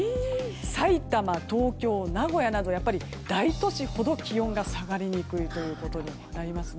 さいたま、東京、名古屋など大都市ほど気温が下がりにくいということになります。